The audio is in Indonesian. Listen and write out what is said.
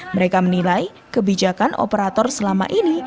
mereka menilai kebijakan operator selama ini